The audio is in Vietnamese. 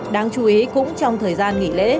đang chú ý cũng trong thời gian nghỉ lễ